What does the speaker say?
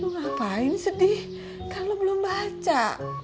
mau ngapain sedih kalau belum baca